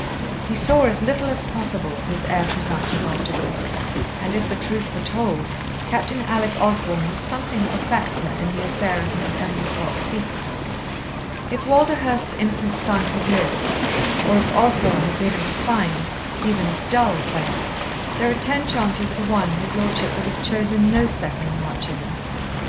He saw as little as possible of his heir presumptive after this, and if the truth were told, Captain Alec Osborn was something of a factor in the affair of Miss Emily Fox Seton. If Walderhurst's infant son had lived, or if Osborn had been a refined, even if dull, fellow, there are ten chances to one his lordship would have chosen no second marchioness.